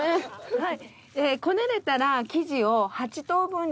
はい。